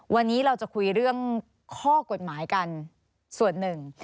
วันนี้เราจะคุยเรื่องข้อกฎหมายกันส่วนหนึ่ง